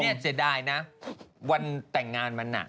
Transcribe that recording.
เสียดายนะวันแต่งงานมันน่ะ